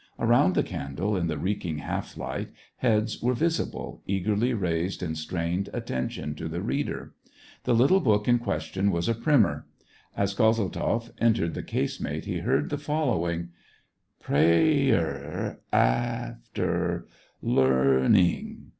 Around the candle, in the reeking half light, heads were visible, eagerly raised in strained attention to the reader. The little book in question was a primer. As Kozel tzoff entered the casemate, he heard the following :*' Pray er af ter lear ning.